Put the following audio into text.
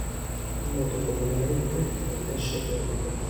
È noto comunemente come pesce porco.